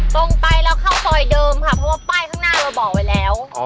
ตรงไปแล้วเข้าซอยเดิมค่ะเพราะว่าป้ายข้างหน้าเราบอกไว้แล้ว